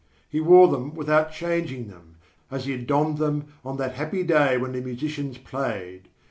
He wore them without changing them, as he had donned them on that happy day when the musicians played.